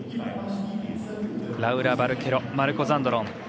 ラウラ・バルケロマルコ・ザンドロン。